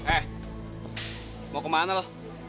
eh mau kemana lo